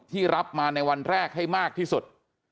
รับมาในวันแรกให้มากที่สุด